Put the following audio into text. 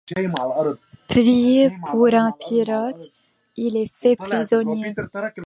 Pris pour un pirate, il est fait prisonnier.